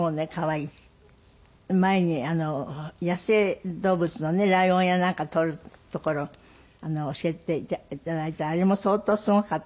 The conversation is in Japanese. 前に野生動物のねライオンやなんかを撮るところ教えて頂いたあれも相当すごかったけども。